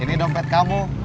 ini dompet kamu